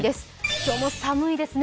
今日も寒いですね。